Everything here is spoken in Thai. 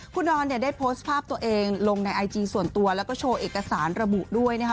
คุณดอนเนี่ยได้โพสต์ภาพตัวเองลงในไอจีส่วนตัวแล้วก็โชว์เอกสารระบุด้วยนะคะ